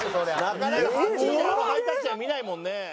なかなか８位であのハイタッチは見ないもんね。